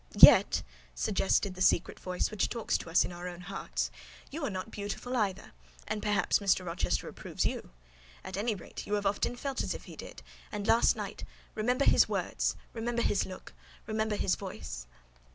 Yet," suggested the secret voice which talks to us in our own hearts, "you are not beautiful either, and perhaps Mr. Rochester approves you: at any rate, you have often felt as if he did; and last night—remember his words; remember his look; remember his voice!"